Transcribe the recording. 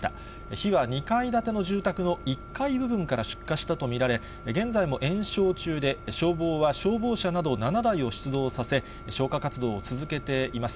火は２階建ての住宅の１階部分から出火したと見られ、現在も延焼中で、消防は消防車など７台を出動させ、消火活動を続けています。